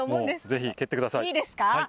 ぜひ蹴ってください。